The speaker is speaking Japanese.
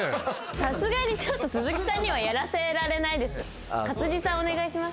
さすがにちょっと鈴木さんにはやらせられないです。